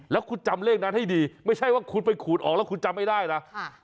แล้วคุณจำเลขนั้นให้ดีไม่ใช่ว่าคุณไปขูดออกแล้วคุณจำไม่ได้นะ